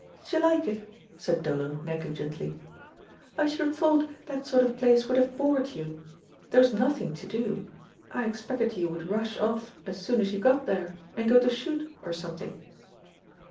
"Did you like it?" said Dodo negligently. "I should have thought that sort of place would have bored you. There was nothing to do. I expected you would rush off as soon as you got there, and go to shoot or something."